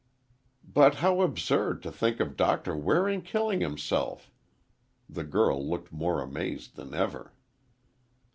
"But how absurd to think of Doctor Waring killing himself!" The girl looked more amazed than ever.